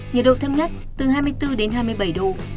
nhiệt độ thấp nhất từ hai mươi bốn đến hai mươi bảy độ